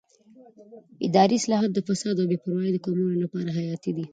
اداري اصلاحات د فساد او بې باورۍ د کمولو لپاره حیاتي دي